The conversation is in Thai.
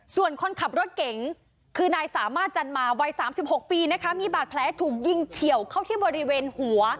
ส่วนคนขับรถเก๋งคือนายสามารถจันมาวัย๓๖ปีนะคะมีบาดแผลถูกยิงเฉียวเข้าที่บริเวณหัว